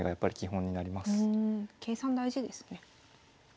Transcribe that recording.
計算大事ですね。